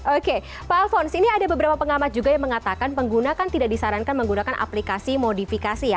oke pak alfons ini ada beberapa pengamat juga yang mengatakan pengguna kan tidak disarankan menggunakan aplikasi modifikasi ya